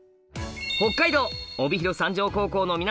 北海道帯広三条高校の皆さん